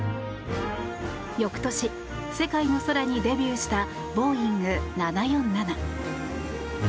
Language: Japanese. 翌年、世界の空にデビューしたボーイング７４７。